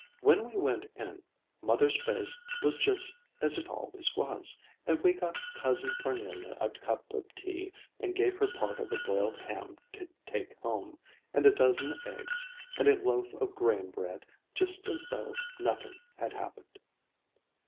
"When we went in, Mother's face was just as it always was, and we got Cousin Parnelia a cup of tea and gave her part of a boiled ham to take home and a dozen eggs and a loaf of graham bread, just as though nothing had happened."